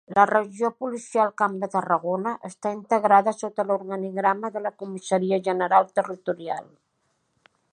La Regió Policial Camp de Tarragona està integrada sota l'organigrama de la Comissaria General Territorial.